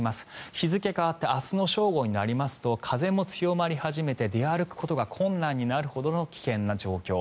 日付変わって明日の正午になりますと風も強まり始めて出歩くことが困難になるほどの危険な状況。